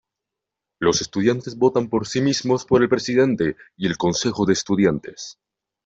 Los estudiantes votan por sí mismos por el Presidente y el Consejo de Estudiantes.